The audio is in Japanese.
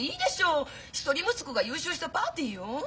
一人息子が優勝したパーティーよ！？